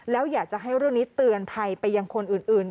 แล้วอยากจะให้เรื่องนี้เตือนภัยไปยังคนอื่น